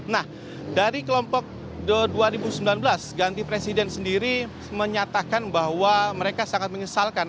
nah dari kelompok dua ribu sembilan belas ganti presiden sendiri menyatakan bahwa mereka sangat menyesalkan